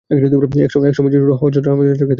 এক সময় সে হযরত হামজা রাযিয়াল্লাহু আনহু-কে দেখতে পায়।